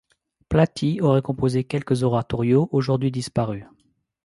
Platti aurait composé quelques oratorios, aujourd'hui disparus.